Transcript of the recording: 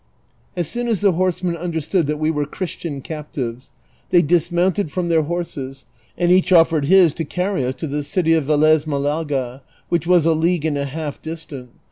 As soon as tlie horsemen understood that we were Christian cap tives, they dismounted from their horses, and each oft'ered his to carry us to the city of Velez Malaga, which was a league and a half distant.